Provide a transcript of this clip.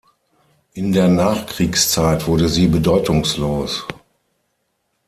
In der Nachkriegszeit wurde sie bedeutungslos.